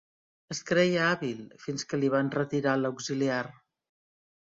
Es creia hàbil fins que li van retirar l'auxiliar.